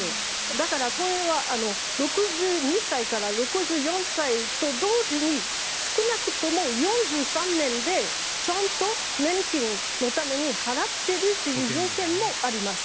だから、これは６２歳から６４歳と同時に少なくとも４３年でちゃんと年金のために払っているという条件もあります。